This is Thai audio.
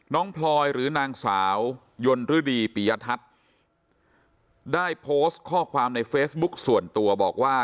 พลอยหรือนางสาวยนฤดีปียทัศน์ได้โพสต์ข้อความในเฟซบุ๊คส่วนตัวบอกว่า